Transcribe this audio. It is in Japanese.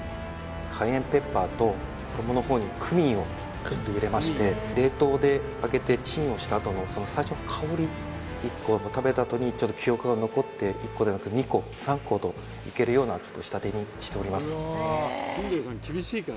カイエンペッパーと衣の方にクミンを入れまして１個食べたあとにちょっと記憶が残って１個ではなく２個３個といけるような仕立てにしております